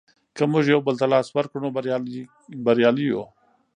که موږ یو بل ته لاس ورکړو نو بریالي یو.